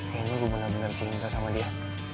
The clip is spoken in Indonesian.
kayaknya gue bener bener cinta sama dia